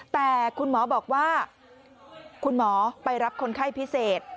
แต่คุณหมอบอกว่าคุณหมอไปรับคนไข้พิเศษ